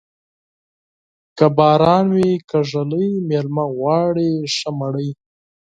که باران وې که ږلۍ، مېلمه غواړي ښه مړۍ.